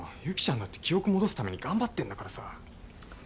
由岐ちゃんだって記憶戻すために頑張ってんだからさ。